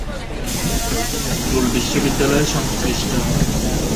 এটি কাজী নজরুল বিশ্ববিদ্যালয়ের সংসৃৃষ্ট।